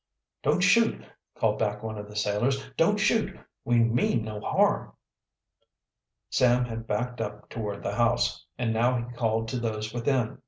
"Don't shoot!" called back one of the sailors. "Don't shoot! We mean no harm." Sam had backed up toward the house, and now he called to those within.